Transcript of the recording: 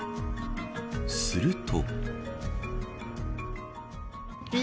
すると。